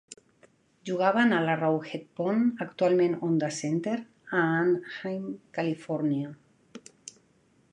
Jugaven a l'Arrowhead Pond, actualment Honda Center, a Anaheim, Califòrnia.